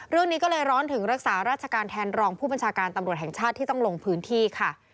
เรื่องนี้ก็เลยร้อนถึงรักษาราชการแทนรองผู้บัญชาการตำรวจแห่งชาติที่ต้องลงพื้นที่ค่ะ